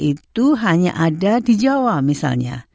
itu hanya ada di jawa misalnya